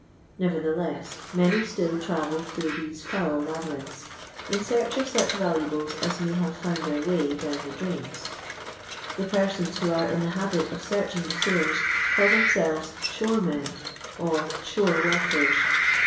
Neverthe less many still travel through these foul laby rinths, in search of such valuables as may have found their way down the drains. The persons who aro in the habit of searching the sewers, call themselves " shore men " or "shore workers."